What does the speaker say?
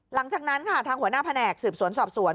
หลังจากนั้นค่ะทางหัวหน้าแผนกสืบสวนสอบสวน